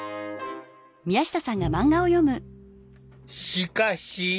しかし。